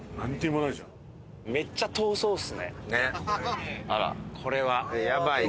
めっちゃ遠そうですねこれは。